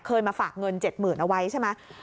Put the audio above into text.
เคยมาฝากเงิน๗หมื่นเอาไว้ใช่ไหม